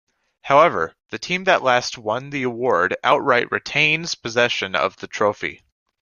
However, the team that last won the award outright retains possession of the trophy.